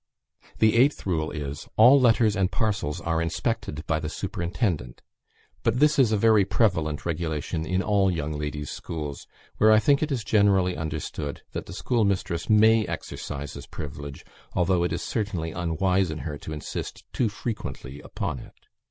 The 8th rule is, "All letters and parcels are inspected by the superintendent;" but this is a very prevalent regulation in all young ladies' schools, where I think it is generally understood that the schoolmistress may exercise this privilege, although it is certainly unwise in her to insist too frequently upon it.